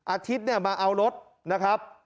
อาทิตย์เนี่ยมาเอารถนะครับ